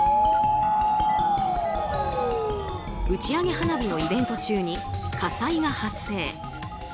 打ち上げ花火のイベント中に火災が発生。